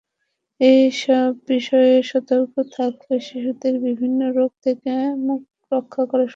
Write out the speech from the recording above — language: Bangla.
এসব বিষয়ে সতর্ক থাকলে শিশুদের বিভিন্ন রোগ থেকে রক্ষা করা সম্ভব হবে।